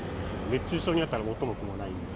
熱中症になったら元も子もないんで。